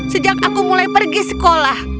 sejak aku mulai pergi sekolah